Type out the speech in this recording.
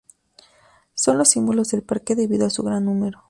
Son los símbolos del parque debido a su gran número.